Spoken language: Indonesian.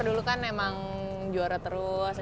dulu kan emang juara terus